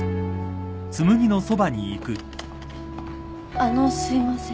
あのすいません。